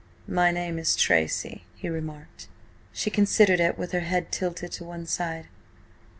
"My name is Tracy," he remarked. She considered it with her head tilted to one side.